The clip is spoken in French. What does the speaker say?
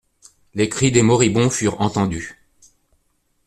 Les cris des moribonds furent entendus.